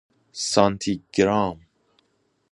سانتیگرام